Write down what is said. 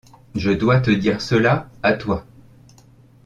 Je dois te dire cela, à toi.